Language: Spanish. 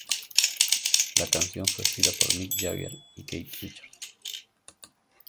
La canción fue escrita por Mick Jagger y Keith Richards.